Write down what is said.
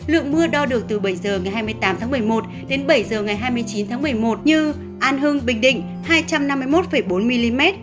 lượng mưa đo được từ bảy h ngày hai mươi tám tháng một mươi một đến bảy h ngày hai mươi chín tháng một mươi một như an hưng bình định hai trăm năm mươi một bốn mm